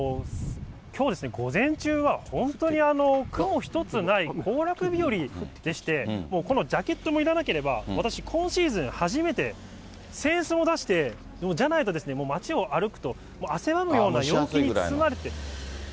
きょうですね、午前中は本当に雲一つない行楽日和でして、このジャケットもいらなければ、私、今シーズン初めて扇子を出して、じゃないともう街を歩くと、汗ばむような陽気に包まれて。